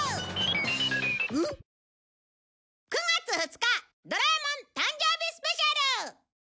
９月２日『ドラえもん』誕生日スペシャル！